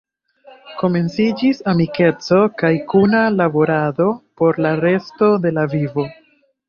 Komenciĝis amikeco kaj kuna laborado por la resto de la vivo.